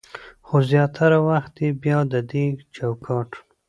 خو زياتره وخت يې بيا د دې چوکاټ